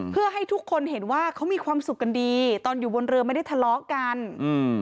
เพื่อให้ทุกคนเห็นว่าเขามีความสุขกันดีตอนอยู่บนเรือไม่ได้ทะเลาะกันอืม